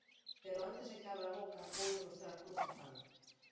Pero antes de que abra a boca, voulle mostrar como se fan.